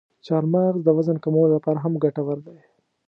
چارمغز د وزن کمولو لپاره هم ګټور دی.